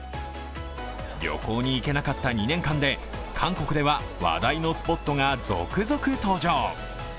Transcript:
旅行に行けなかった２年間で韓国では話題のスポットが続々登場。